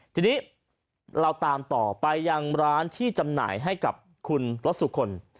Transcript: ทีนี้เราตามต่อไปยังร้านที่จำหน่ายให้กับคุณรถสุคล